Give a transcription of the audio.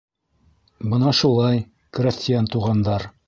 —...Бына шулай, крәҫтиән туғандар.